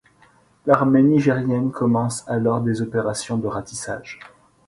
L'armée nigérienne commence alors des opérations de ratissage.